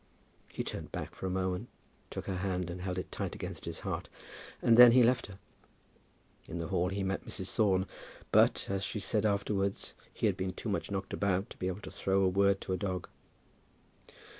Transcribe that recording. He turned back for a moment, took her hand, and held it tight against his heart, and then he left her. In the hall he met Mrs. Thorne, but, as she said afterwards, he had been too much knocked about to be able to throw a word to a dog.